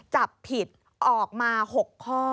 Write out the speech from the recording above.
จับผิดออกมา๖ข้อ